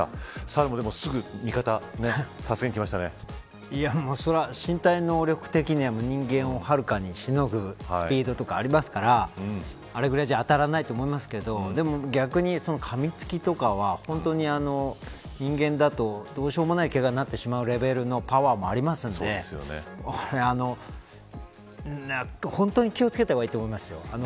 サルもそれは身体能力的には人間を遥かにしのぐスピードとかありますからあれぐらいじゃ当たらないと思いますけどでも逆にかみつきとかは本当に人間だとどうしようもないけがになってしまうレベルのパワーもありますので本当に気を付けた方がいいと思いますよ。